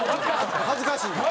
恥ずかしいの？